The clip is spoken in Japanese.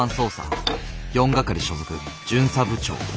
４係所属巡査部長。